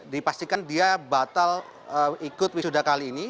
dipastikan dia batal ikut wisuda kali ini